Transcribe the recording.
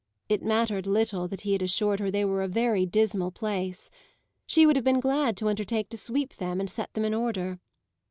It mattered little that he had assured her they were a very dismal place; she would have been glad to undertake to sweep them and set them in order.